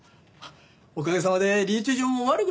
おかげさまで留置場も悪くないです。